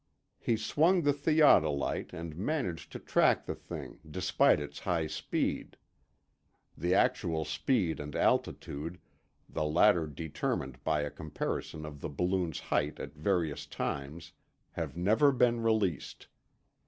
He swung the theodolite and managed to track the thing, despite its high speed. (The actual speed and altitude—the latter determined by a comparison of the balloon's height at various times—have never been released.